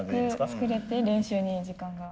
作れて練習に時間が。